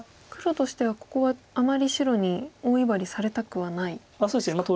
黒としてはここはあまり白に大威張りされたくはないですか。